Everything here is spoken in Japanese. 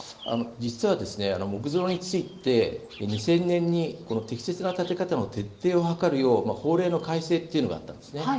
実は木造について２０００年に適切な建て方の徹底を図るよう法令の改正があったんです。